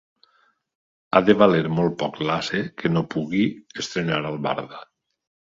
Ha de valer molt poc l'ase que no pugui estrenar albarda.